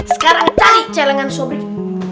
sekarang cari celengan sobring